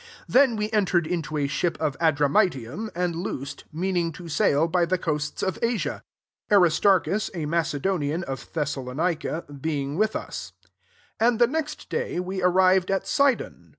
2 Then we entered into a ship of Adramyttium, and loosed, meaning to sail by the coasts of Asia ; Aristarchus, a Mace donian of Thessalonica^ being irith us. S And the next day, we arrived at Sidon.